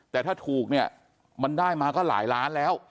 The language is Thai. แต่ถ้าถูกเนี่ยมันได้มาก็หลายล้านแล้ว